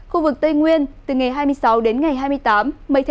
khu vực tây nguyên từ ngày hai mươi sáu đến ngày hai mươi tám